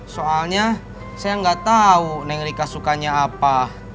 soalnya saya gak tau neng rika sukanya apa